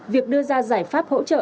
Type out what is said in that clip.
việc đưa ra giải pháp hỗ trợ